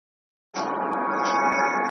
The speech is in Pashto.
توري سرې وي د ورور ویني ترې څڅیږي .